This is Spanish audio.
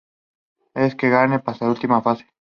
El que gane, pasa a la última fase.